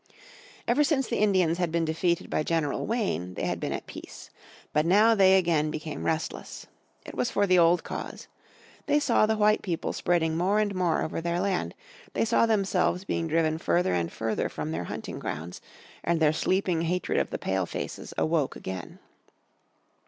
Ever since the Indians had been defeated by General Wayne they had been at peace. But now they again became restless. It was for the old cause. They saw the white people spreading more and more over their land, they saw themselves being driven further and further from their hunting grounds, and their sleeping hatred of the Pale faces awoke again.